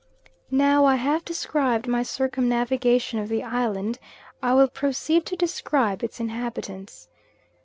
Now I have described my circumnavigation of the island, I will proceed to describe its inhabitants.